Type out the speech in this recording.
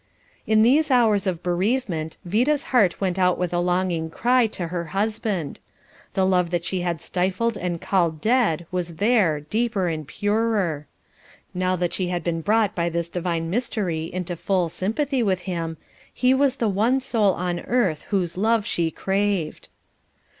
In these hours of bereavement Vida's heart went out with a longing cry for her husband. The love that she had stifled and called dead was there, deeper and purer. Now that she had been brought by this divine mystery unto full sympathy with him, he was the one soul on earth whose love she craved.